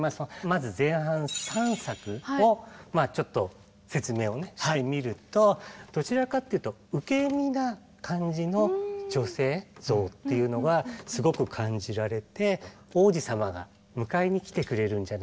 まず前半３作をちょっと説明をしてみるとどちらかっていうとっていうのがすごく感じられて王子様が迎えに来てくれるんじゃないか。